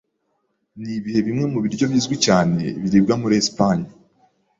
Nibihe bimwe mubiryo bizwi cyane biribwa muri Espagne?